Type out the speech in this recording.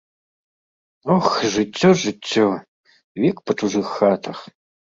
Ох, жыццё, жыццё, век па чужых хатах.